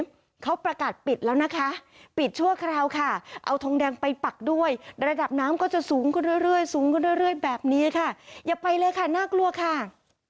อย่าไปเลยค่ะน่ากลัวค่ะ